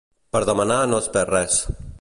Per demanar no es perd res.